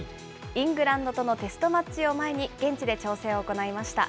イングランドとのテストマッチを前に、現地で調整を行いました。